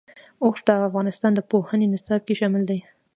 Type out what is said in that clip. اوښ د افغانستان د پوهنې نصاب کې شامل دي.